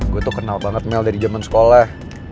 gue tuh kenal banget mel dari zaman sekolah